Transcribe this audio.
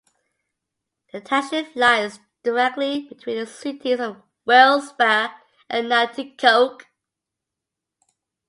The township lies directly between the cities of Wilkes-Barre and Nanticoke.